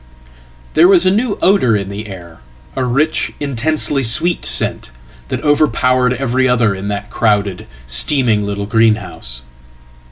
There was a new odour in the air, a rich, intensely sweet scent, thatoverpowered every other in that crowded, steaming little greenhouse.